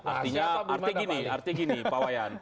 artinya gini pak wayan